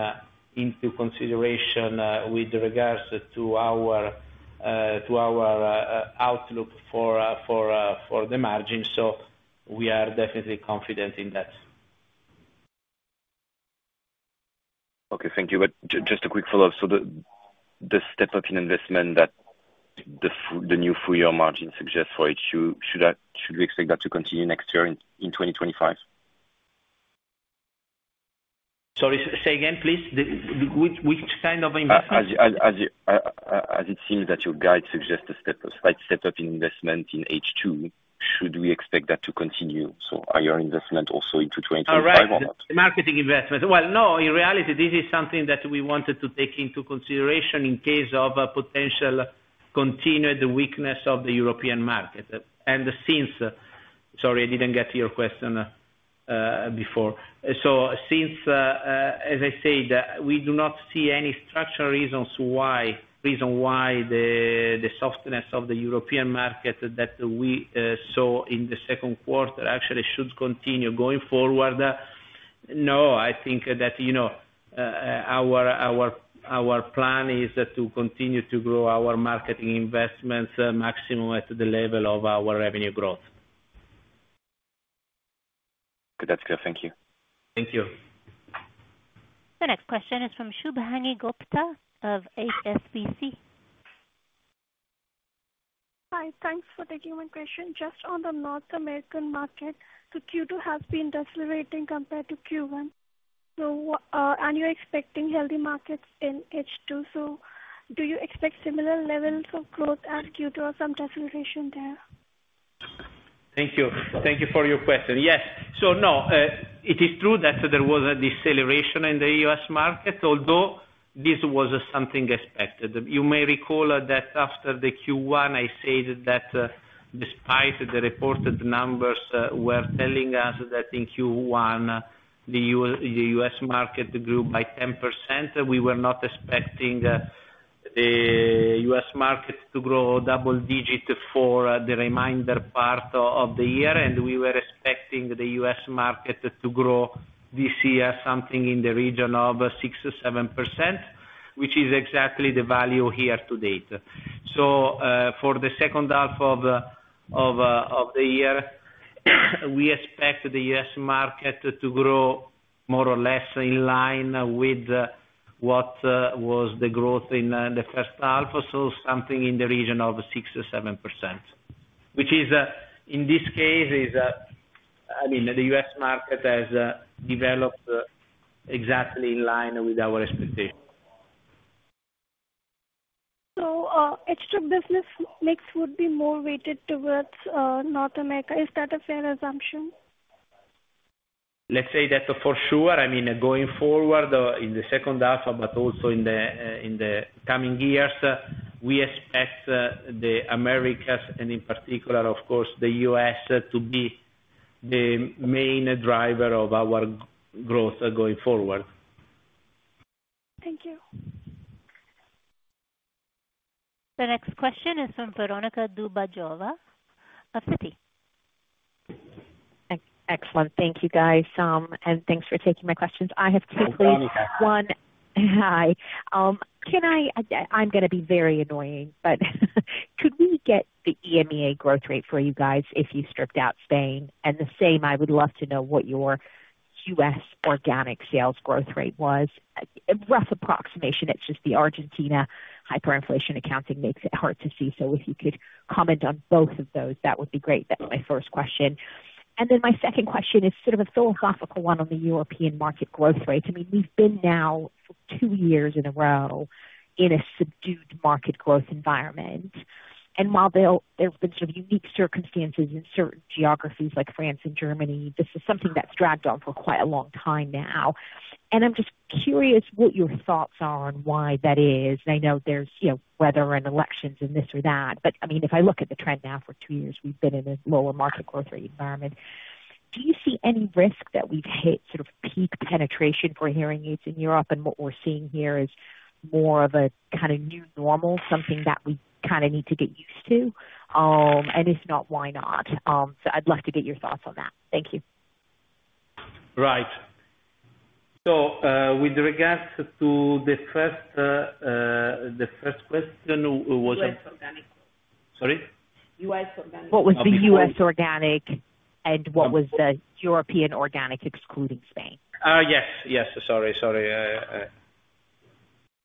into consideration with regards to our outlook for the margin. So we are definitely confident in that. Okay. Thank you. Just a quick follow-up. So the step-up in investment that the new four-year margin suggests for H2, should we expect that to continue next year in 2025? Sorry. Say again, please. Which kind of investment? As it seems that your guide suggests a step-up in investment in H2, should we expect that to continue? So are your investments also into 2025 or not? Marketing investments. Well, no. In reality, this is something that we wanted to take into consideration in case of potential continued weakness of the European market. And since, sorry, I didn't get to your question before. So since, as I said, we do not see any structural reasons why the softness of the European market that we saw in the second quarter actually should continue going forward. No, I think that our plan is to continue to grow our marketing investments maximum at the level of our revenue growth. Okay. That's good. Thank you. Thank you. The next question is from Shubhangi Gupta of HSBC. Hi. Thanks for taking my question. Just on the North American market, so Q2 has been decelerating compared to Q1. And you're expecting healthy markets in H2. So do you expect similar levels of growth as Q2 or some deceleration there? Thank you. Thank you for your question. Yes. So no, it is true that there was a deceleration in the U.S. market, although this was something expected. You may recall that after the Q1, I said that despite the reported numbers, we're telling us that in Q1, the U.S. market grew by 10%. We were not expecting the U.S. market to grow double digit for the remainder part of the year. We were expecting the U.S. market to grow this year something in the region of 6%-7%, which is exactly the value here to date. So for the second half of the year, we expect the U.S. market to grow more or less in line with what was the growth in the first half, so something in the region of 6%-7%, which in this case, I mean, the U.S. market has developed exactly in line with our expectation. So extra business mix would be more weighted towards North America. Is that a fair assumption? Let's say that for sure. I mean, going forward in the second half, but also in the coming years, we expect the Americas, and in particular, of course, the U.S., to be the main driver of our growth going forward. Thank you. The next question is from Veronika Dubajova of Citi. Excellent. Thank you, guys. And thanks for taking my questions. I have two questions. One. Hi. I'm going to be very annoying, but could we get the EMEA growth rate for you guys if you stripped out Spain? And the same, I would love to know what your U.S. organic sales growth rate was. Rough approximation. It's just the Argentina hyperinflation accounting makes it hard to see. So if you could comment on both of those, that would be great. That's my first question. And then my second question is sort of a philosophical one on the European market growth rate. I mean, we've been now for two years in a row in a subdued market growth environment. And while there have been sort of unique circumstances in certain geographies like France and Germany, this is something that's dragged on for quite a long time now. And I'm just curious what your thoughts are on why that is. And I know there's weather and elections and this or that. But I mean, if I look at the trend now for two years, we've been in a lower market growth rate environment. Do you see any risk that we've hit sort of peak penetration for hearing aids in Europe? And what we're seeing here is more of a kind of new normal, something that we kind of need to get used to. And if not, why not? So I'd love to get your thoughts on that. Thank you. Right. So with regards to the first question, was it? U.S. organic. Sorry? U.S. organic. What was the U.S. organic and what was the European organic excluding Spain? Yes. Yes. Sorry. Sorry.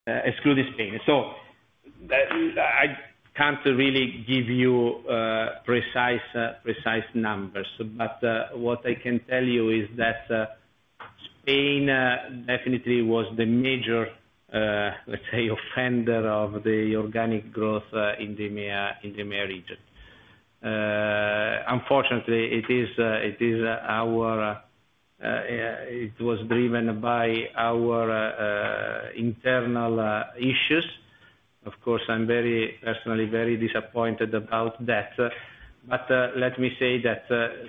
Excluding Spain. So I can't really give you precise numbers. But what I can tell you is that Spain definitely was the major, let's say, offender of the organic growth in the EMEA region. Unfortunately, it was driven by our internal issues. Of course, I'm personally very disappointed about that. But let me say that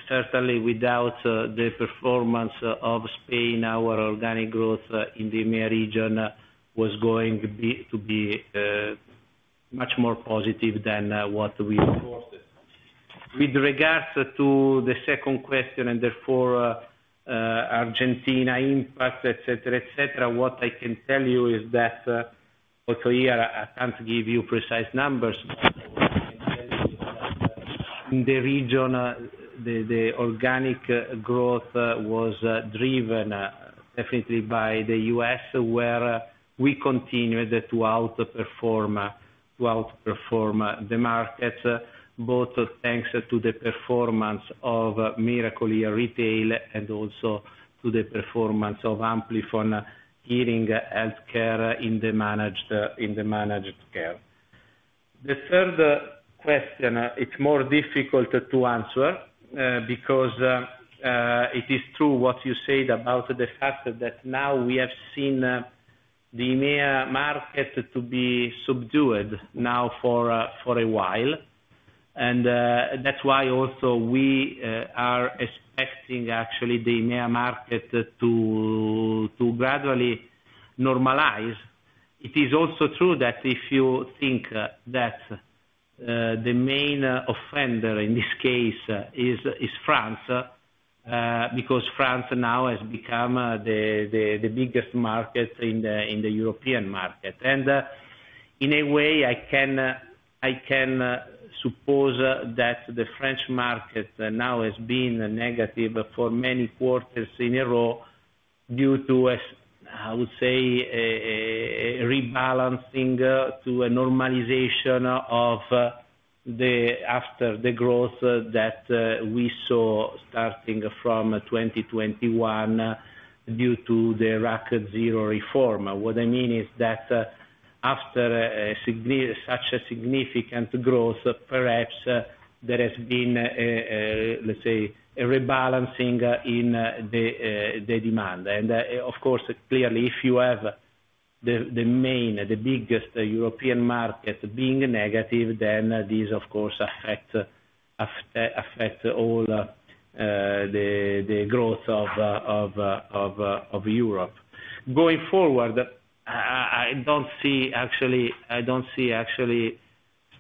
certainly without the performance of Spain, our organic growth in the EMEA region was going to be much more positive than what we reported. With regards to the second question and therefore Argentina impact, etc., etc., what I can tell you is that, although here, I can't give you precise numbers, but what I can tell you is that in the region, the organic growth was driven definitely by the U.S., where we continued to outperform the markets, both thanks to the performance of Miracle Retail and also to the performance of Amplifon Hearing Healthcare in the managed care. The third question, it's more difficult to answer because it is true what you said about the fact that now we have seen the EMEA market to be subdued now for a while. And that's why also we are expecting actually the EMEA market to gradually normalize. It is also true that if you think that the main offender in this case is France because France now has become the biggest market in the European market. And in a way, I can suppose that the French market now has been negative for many quarters in a row due to, I would say, rebalancing to a normalization after the growth that we saw starting from 2021 due to the RAC zero reform. What I mean is that after such a significant growth, perhaps there has been, let's say, a rebalancing in the demand. Of course, clearly, if you have the biggest European market being negative, then these, of course, affect all the growth of Europe. Going forward, I don't see actually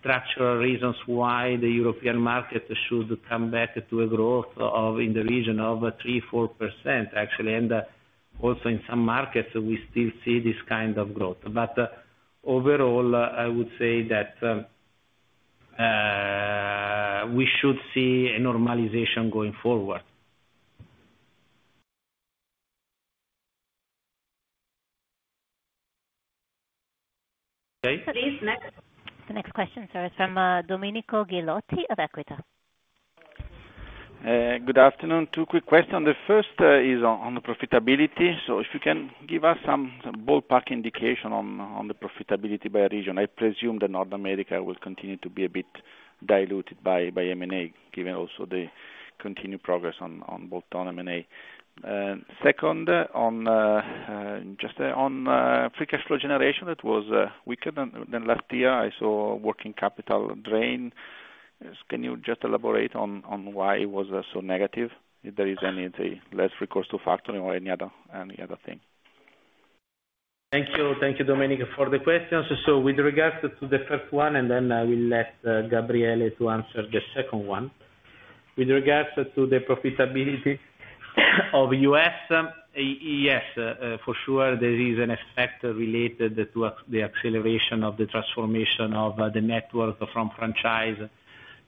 structural reasons why the European market should come back to a growth in the region of 3%-4%, actually. And also in some markets, we still see this kind of growth. But overall, I would say that we should see a normalization going forward. Okay. Please, next. The next question, sorry, is from Domenico Ghilotti of Equita. Good afternoon. Two quick questions. The first is on the profitability. So if you can give us some ballpark indication on the profitability by region. I presume that North America will continue to be a bit diluted by M&A, given also the continued progress on both non-M&A. Second, just on free cash flow generation, it was weaker than last year. I saw working capital drain. Can you just elaborate on why it was so negative? If there is any less recourse to factoring or any other thing? Thank you. Thank you, Domenico, for the questions. So with regards to the first one, and then I will let Gabriele to answer the second one. With regards to the profitability of U.S., yes, for sure, there is an effect related to the acceleration of the transformation of the network from franchise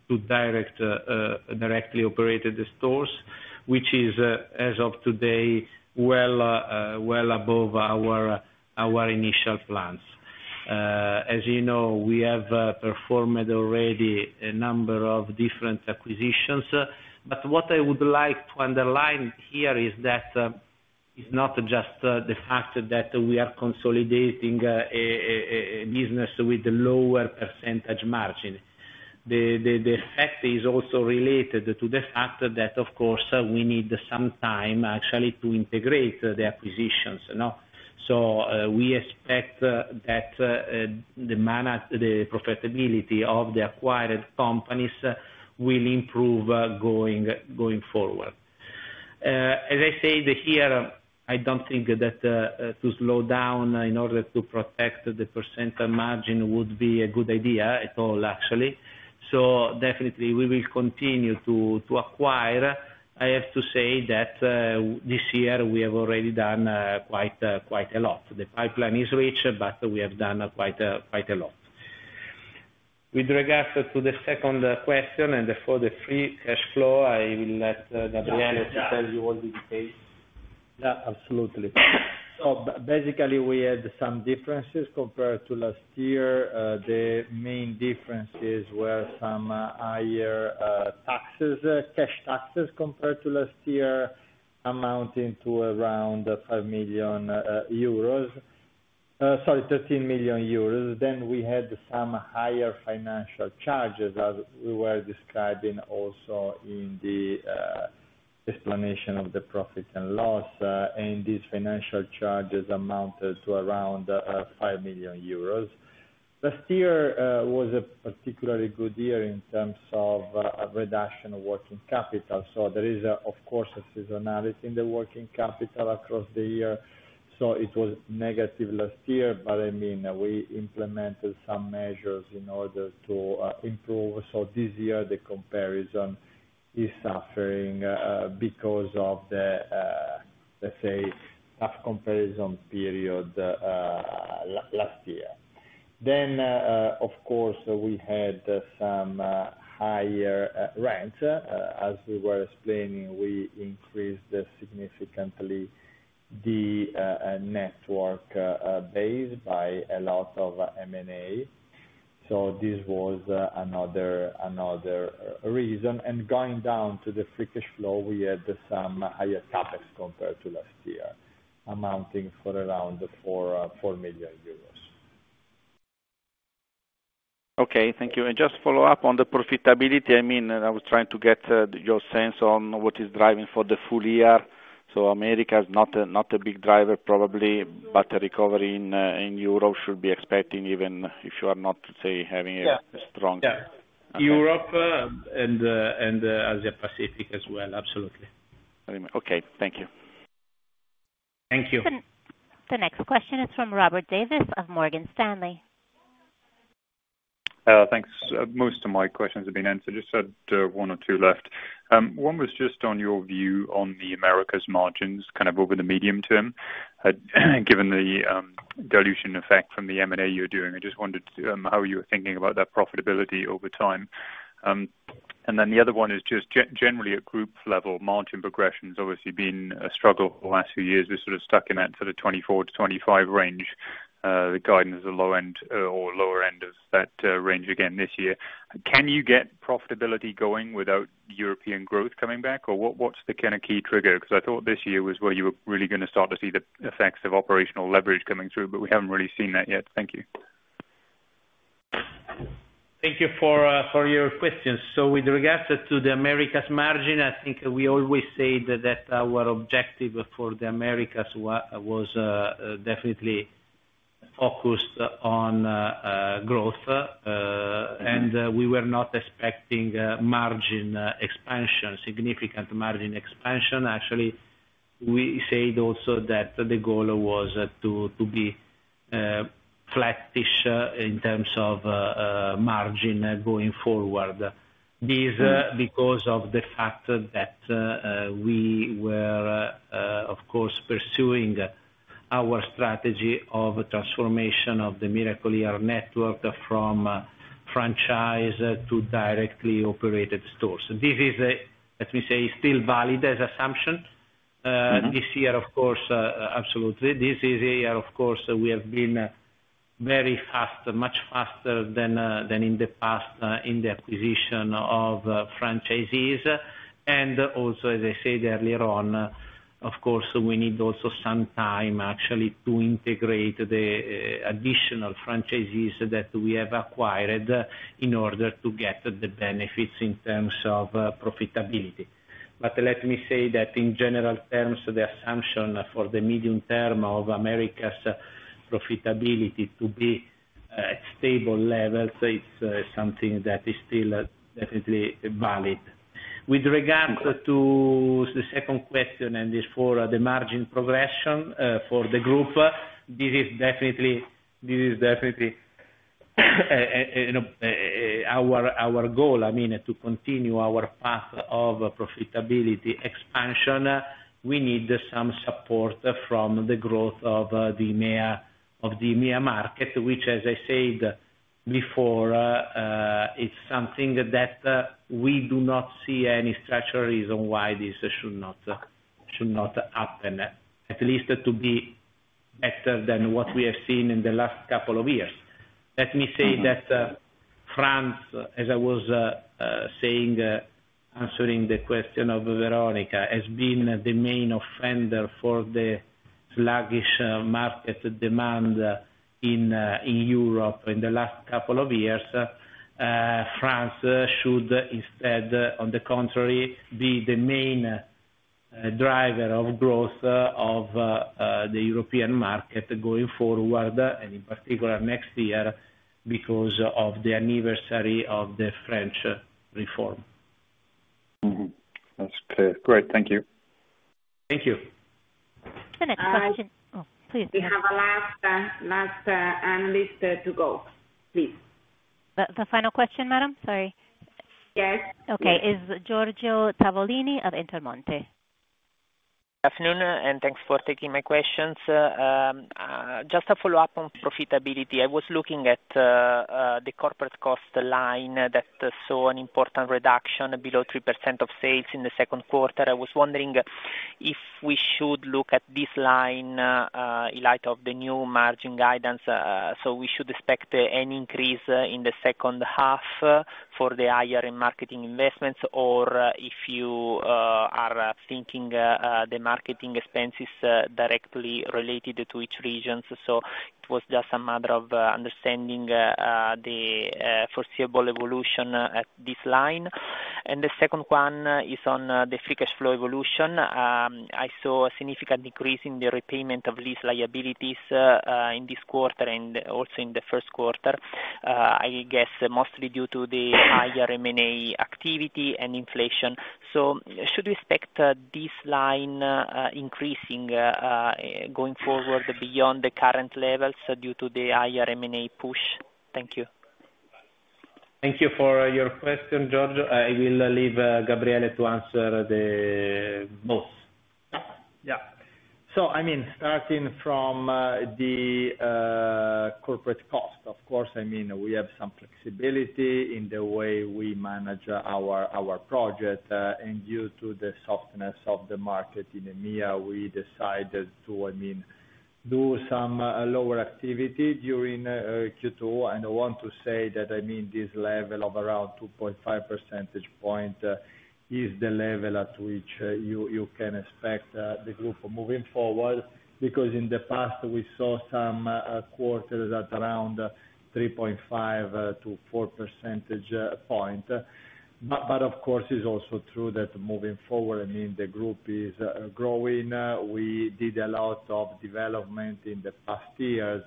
to directly operated stores, which is, as of today, well above our initial plans. As you know, we have performed already a number of different acquisitions. But what I would like to underline here is that it's not just the fact that we are consolidating a business with a lower percentage margin. The effect is also related to the fact that, of course, we need some time actually to integrate the acquisitions. So we expect that the profitability of the acquired companies will improve going forward. As I said here, I don't think that to slow down in order to protect the percent margin would be a good idea at all, actually. So definitely, we will continue to acquire. I have to say that this year, we have already done quite a lot. The pipeline is rich, but we have done quite a lot. With regards to the second question and for the free cash flow, I will let Gabriele to tell you all the details. Yeah. Absolutely. So basically, we had some differences compared to last year. The main differences were some higher taxes, cash taxes compared to last year, amounting to around 5 million euros. Sorry, 13 million euros. Then we had some higher financial charges as we were describing also in the explanation of the profit and loss. And these financial charges amounted to around 5 million euros. Last year was a particularly good year in terms of reduction of working capital. So there is, of course, a seasonality in the working capital across the year. So it was negative last year, but I mean, we implemented some measures in order to improve. So this year, the comparison is suffering because of the, let's say, tough comparison period last year. Then, of course, we had some higher rent. As we were explaining, we increased significantly the network base by a lot of M&A. So this was another reason. And going down to the free cash flow, we had some higher CapEx compared to last year, amounting for around EUR 4 million. Okay. Thank you. And just follow up on the profitability. I mean, I was trying to get your sense on what is driving for the full year. So America is not a big driver, probably, but the recovery in Europe should be expecting even if you are not, say, having a strong. Yeah. Europe and Asia-Pacific as well. Absolutely. Okay. Thank you. Thank you. The next question is from Robert Davies of Morgan Stanley. Thanks. Most of my questions have been answered. Just had one or two left. One was just on your view on the Americas' margins, kind of over the medium term, given the dilution effect from the M&A you're doing. I just wondered how you were thinking about that profitability over time. And then the other one is just generally at group level, margin progression has obviously been a struggle the last few years. We're sort of stuck in that sort of 24%-25% range. The guidance is a lower end of that range again this year. Can you get profitability going without European growth coming back? Or what's the kind of key trigger? Because I thought this year was where you were really going to start to see the effects of operational leverage coming through, but we haven't really seen that yet. Thank you. Thank you for your questions. So with regards to the Americas margin, I think we always said that our objective for the Americas was definitely focused on growth. And we were not expecting margin expansion, significant margin expansion. Actually, we said also that the goal was to be flattish in terms of margin going forward. This is because of the fact that we were, of course, pursuing our strategy of transformation of the Miracle-Ear network from franchise to directly operated stores. This is, let me say, still valid as assumption. This year, of course, absolutely. This is a year, of course, we have been very fast, much faster than in the past in the acquisition of franchisees. And also, as I said earlier on, of course, we need also some time actually to integrate the additional franchisees that we have acquired in order to get the benefits in terms of profitability. But let me say that in general terms, the assumption for the medium term of Americas' profitability to be at stable levels, it's something that is still definitely valid. With regards to the second question and therefore the margin progression for the group, this is definitely our goal. I mean, to continue our path of profitability expansion, we need some support from the growth of the EMEA market, which, as I said before, it's something that we do not see any structural reason why this should not happen, at least to be better than what we have seen in the last couple of years. Let me say that France, as I was saying, answering the question of Veronika, has been the main offender for the sluggish market demand in Europe in the last couple of years. France should instead, on the contrary, be the main driver of growth of the European market going forward, and in particular next year because of the anniversary of the French reform. That's clear. Great. Thank you. Thank you. The next question. Oh, please. We have a last analyst to go. Please. The final question, madam? Sorry. Yes. Okay. is Giorgio Tavolini of Intermonte. Good afternoon, and thanks for taking my questions. Just a follow-up on profitability. I was looking at the corporate cost line that saw an important reduction below 3% of sales in the second quarter. I was wondering if we should look at this line in light of the new margin guidance. So we should expect any increase in the second half for the higher marketing investments, or if you are thinking the marketing expenses directly related to each region. So it was just a matter of understanding the foreseeable evolution at this line. And the second one is on the free cash flow evolution. I saw a significant decrease in the repayment of lease liabilities in this quarter and also in the first quarter, I guess mostly due to the higher M&A activity and inflation. So should we expect this line increasing going forward beyond the current levels due to the higher M&A push? Thank you. Thank you for your question, Giorgio. I will leave Gabriele to answer both. Yeah. So I mean, starting from the corporate cost, of course, I mean, we have some flexibility in the way we manage our project. And due to the softness of the market in EMEA, we decided to, I mean, do some lower activity during Q2. And I want to say that, I mean, this level of around 2.5 percentage points is the level at which you can expect the group moving forward because in the past, we saw some quarters at around 3.5-4 percentage points. But of course, it's also true that moving forward, I mean, the group is growing. We did a lot of development in the past years.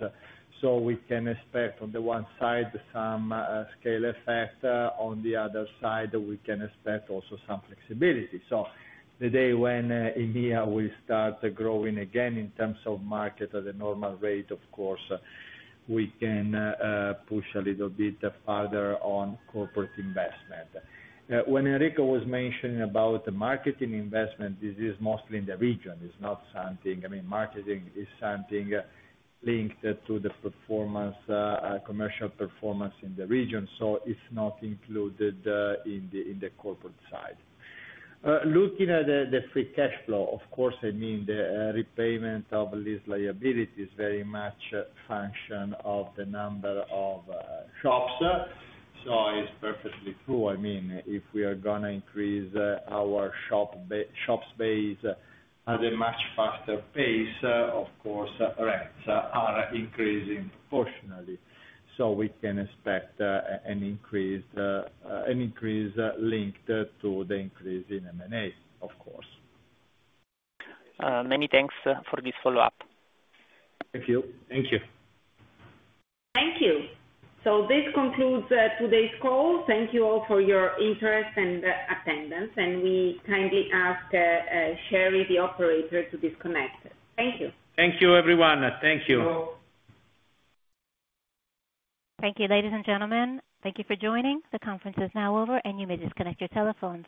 So we can expect on the one side some scale effect. On the other side, we can expect also some flexibility. So the day when EMEA will start growing again in terms of market at a normal rate, of course, we can push a little bit further on corporate investment. When Enrico was mentioning about marketing investment, this is mostly in the region. It's not something I mean, marketing is something linked to the commercial performance in the region. So it's not included in the corporate side. Looking at the free cash flow, of course, I mean, the repayment of lease liability is very much a function of the number of shops. So it's perfectly true. I mean, if we are going to increase our shops base at a much faster pace, of course, rents are increasing proportionally. So we can expect an increase linked to the increase in M&A, of course. Many thanks for this follow-up. Thank you. Thank you. Thank you. So this concludes today's call. Thank you all for your interest and attendance. We kindly ask Sherry, the operator, to disconnect. Thank you. Thank you, everyone. Thank you. Thank you, ladies and gentlemen. Thank you for joining. The conference is now over, and you may disconnect your telephones.